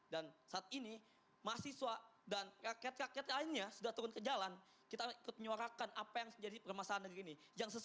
dan saat ini mahasiswa dan rakyat rakyat lainnya sudah turun ke jalan kita ikut menyorakan apa yang menjadi permasalahan negeri ini